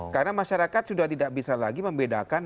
karena masyarakat sudah tidak bisa lagi membedakan